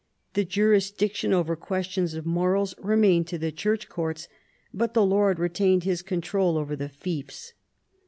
The jurisdiction over questions of morals remained to the Church courts, but the lord retained his control over the fiefs.